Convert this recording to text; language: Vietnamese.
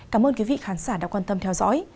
cảm ơn quý vị khán giả đã quan tâm theo dõi